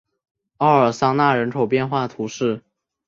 奥尔桑讷人口变化图示